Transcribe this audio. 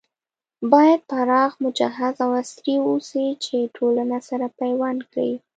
بايد پراخ، مجهز او عصري اوسي چې ټولنه سره پيوند کړي